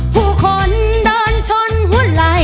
ผู้คนเดินชนหัวไหล